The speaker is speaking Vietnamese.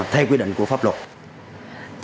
theo quy định của pháp luật